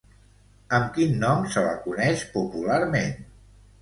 Amb quin nom se la coneix popularment?